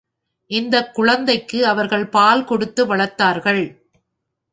இந்தக் குழந்தைக்கு அவர்கள் பால் கொடுத்து வளர்த்தார்கள்.